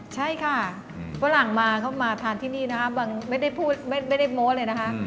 ใช่ค่ะฝรั่งมาเขามาทานที่นี่นะคะไม่ได้โม้เลยนะคะ